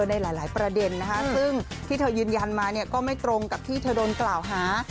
ในหลายประเด็นนะคะซึ่งที่เธอยืนยันมาเนี่ยก็ไม่ตรงกับที่เธอโดนกล่าวหา